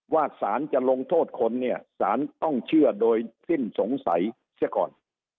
สารจะลงโทษคนเนี่ยสารต้องเชื่อโดยสิ้นสงสัยเสียก่อน